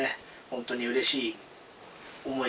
本当にうれしい思いがね。